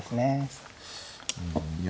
うんいや